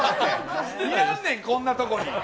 いらんねん、こんなとこに。